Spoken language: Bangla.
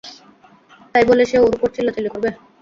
তাই বলে সে ওর উপর চিল্লাচিল্লি করবে?